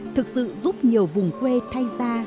thực sự giúp nhiều vùng quê thay ra